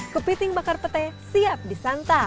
kepiting bakar petai siap disantap